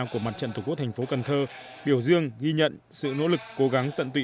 của mặt trận tổ quốc thành phố cần thơ biểu dương ghi nhận sự nỗ lực cố gắng tận tụy